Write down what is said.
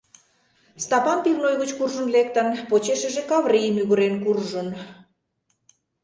Стапан пивной гыч куржын лектын, почешыже Каври мӱгырен куржын...